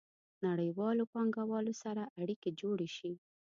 نړیوالو پانګوالو سره اړیکې جوړې شي.